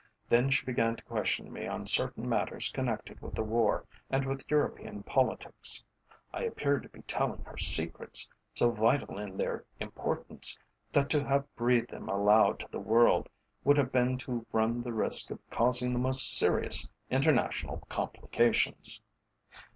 Then she began to question me on certain matters connected with the war and with European politics. I appeared to be telling her secrets, so vital in their importance, that to have breathed them aloud to the world would have been to run the risk of causing the most serious international complications.